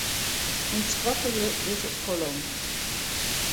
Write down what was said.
Untskoattelje dizze kolom.